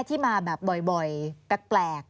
ที่มาแบบบ่อยแปลก